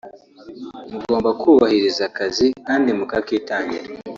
mugomba kubahiriza akazi kandi mukakitangira